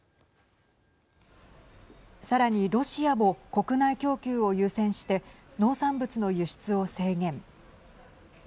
さらにロシアも国内供給を優先して農産物の輸出を制限。